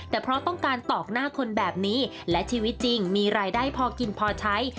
แต่เพราะต้องการตอกหน้าคนแบบนี้และชีวิตจริงมีรายได้พอกินพอใช้